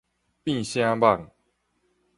變啥蠓